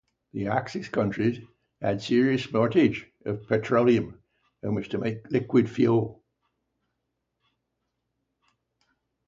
The Axis countries had serious shortages of petroleum from which to make liquid fuel.